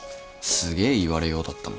すげえ言われようだったもん。